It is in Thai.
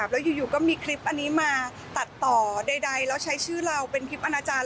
แล้วอยู่ก็มีคลิปอันนี้มาตัดต่อใดแล้วใช้ชื่อเราเป็นคลิปอนาจารย